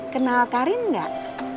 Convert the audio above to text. kenal karin enggak